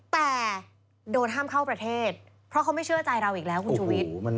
แต่โดนห้ามเข้าประเทศเพราะเขาไม่เชื่อใจเราอีกแล้วคุณชุวิต